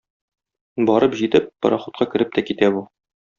Барып җитеп, пароходка кереп тә китә бу.